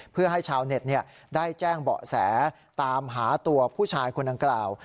เพื่อให้ชาวเน็ตได้แจ้งเบาะแสตามหาตัวผู้ชายคนดังกล่าว